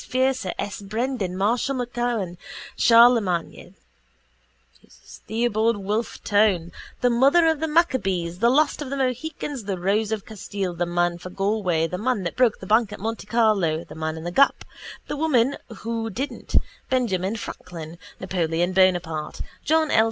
Fursa, S. Brendan, Marshal MacMahon, Charlemagne, Theobald Wolfe Tone, the Mother of the Maccabees, the Last of the Mohicans, the Rose of Castile, the Man for Galway, The Man that Broke the Bank at Monte Carlo, The Man in the Gap, The Woman Who Didn't, Benjamin Franklin, Napoleon Bonaparte, John L.